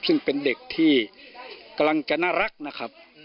ซึ่งเป็นเด็กที่กำลังจะน่ารักนะครับ